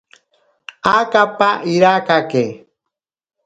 Akapa irakake.